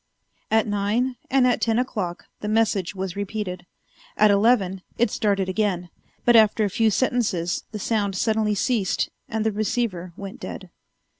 At nine and at ten o'clock the message was repeated. At eleven it started again but after a few sentences the sound suddenly ceased and the receiver went dead.